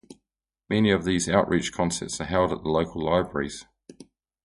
Many of these outreach concerts are held at the local libraries.